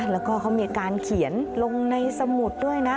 แล้วก็เขามีการเขียนลงในสมุดด้วยนะ